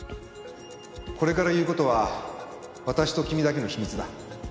これから言う事は私と君だけの秘密だ。